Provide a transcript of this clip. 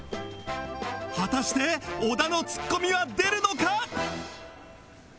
果たして小田のツッコミは出るのか？